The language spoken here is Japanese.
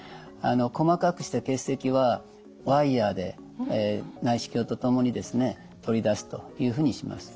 細かくした結石はワイヤーで内視鏡と共に取り出すというふうにします。